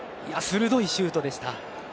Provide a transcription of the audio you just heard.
鋭いシュートでした。